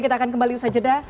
kita akan kembali usai jeda